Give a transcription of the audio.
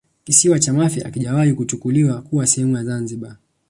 Kisiwa cha Mafia hakijawahi kuchukuliwa kuwa sehemu ya Zanzibar